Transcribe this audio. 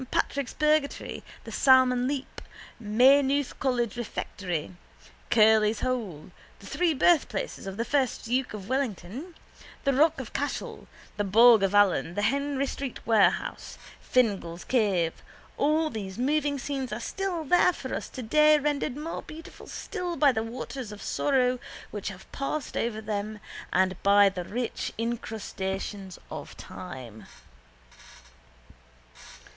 Patrick's Purgatory, the Salmon Leap, Maynooth college refectory, Curley's hole, the three birthplaces of the first duke of Wellington, the rock of Cashel, the bog of Allen, the Henry Street Warehouse, Fingal's Cave—all these moving scenes are still there for us today rendered more beautiful still by the waters of sorrow which have passed over them and by the rich incrustations of time.